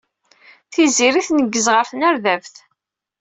Tiziri tneggez ɣer tnerdabt.